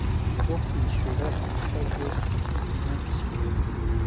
bwo kwishyura ibisabwe n ushyira